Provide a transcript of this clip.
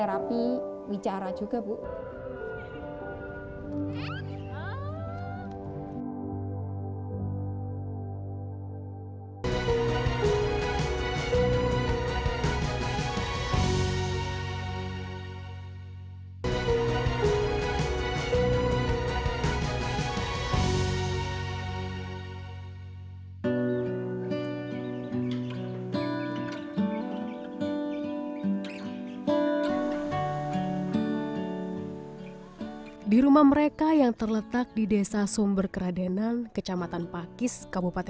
nazila selalu mengalami penyakit tersebut